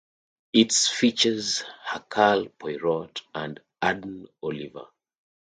It features Hercule Poirot and Ariadne Oliver.